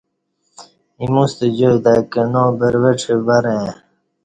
ایمو ستہ جائ تہ کنا، بروڄہ، ورں ائی